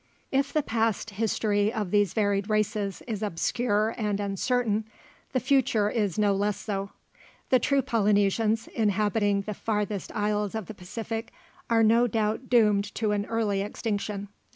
If the past history of these varied races is obscure and uncertain, the future is no less so. The true Polynesians, inhabiting the farthest isles of the Pacific, are no doubt doomed to an early extinction.